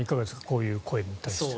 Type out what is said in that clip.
こういう声に対しては。